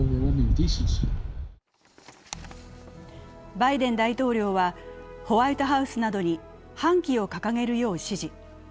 バイデン大統領はホワイトハウスなどに半旗を掲げるよう指示。